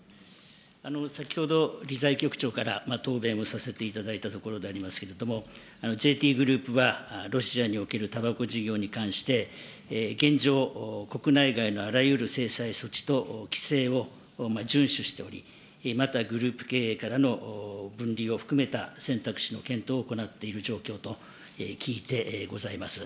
先ほど、理財局長から答弁をさせていただいたところでありますけれども、ＪＴグループは、ロシアにおけるたばこ事業に関して、現状、国内外のあらゆる制裁措置と規制を順守しており、また、グループ経営からの分離を含めた選択肢の検討を行っている状況と聞いてございます。